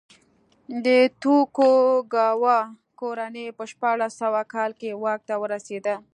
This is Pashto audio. د توکوګاوا کورنۍ په شپاړس سوه کال کې واک ته ورسېده.